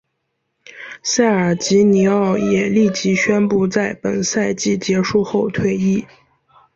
塞尔吉尼奥也立即宣布在本赛季结束后退役。